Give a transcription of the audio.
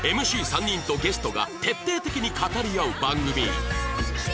ＭＣ３ 人とゲストが徹底的に語り合う番組